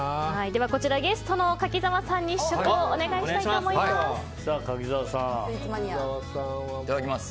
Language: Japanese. では、ゲストの柿澤さんに試食をお願いしたいと思います。